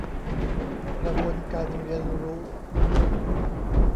กระบวนการเรียนรู้